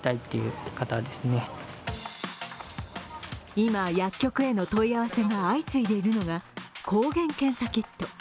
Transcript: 今、薬局への問い合わせが相次いでいるのが抗原検査キット。